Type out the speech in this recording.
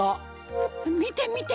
見て見て！